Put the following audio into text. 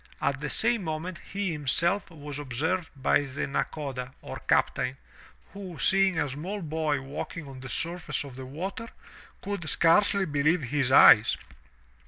At the same moment he himself was observed by the Nakoda, or captain, who seeing a small boy walking on the surface of the water, could scarcely believe his eyes.